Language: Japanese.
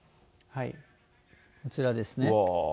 こちらですね。